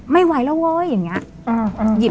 ไม่ไหวแล้วเว้ยอย่างนี้